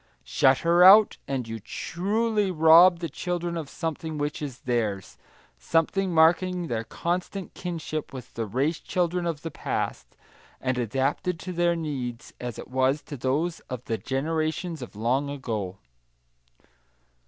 Shut her out, and you truly rob the children of something which is theirs; something marking their constant kinship with the race children of the past, and adapted to their needs as it was to those of the generation of long ago!